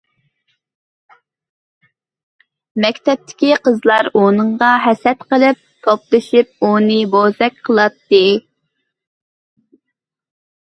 مەكتەپتىكى قىزلار ئۇنىڭغا ھەسەت قىلىپ، توپلىشىپ ئۇنى بوزەك قىلاتتى.